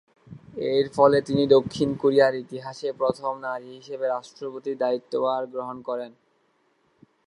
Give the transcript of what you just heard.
এর ফলে তিনি দক্ষিণ কোরিয়ার ইতিহাসে প্রথম নারী হিসেবে রাষ্ট্রপতির দায়িত্বভার গ্রহণ করেন।